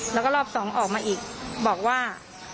แล้วก็รอบสองออกมาอีกบอกว่า